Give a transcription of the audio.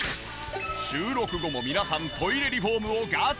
収録後も皆さんトイレリフォームをガチで検討。